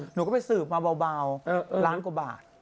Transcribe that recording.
หนูก็ไปสืบมาเบาล้านกว่าบาท